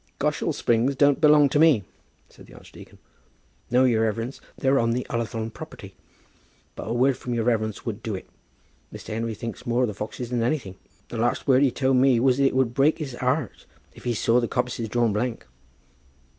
"Goshall Springs don't belong to me," said the archdeacon. "No, your reverence; they're on the Ullathorne property. But a word from your reverence would do it. Mr. Henry thinks more of the foxes than anything. The last word he told me was that it would break his heart if he saw the coppices drawn blank."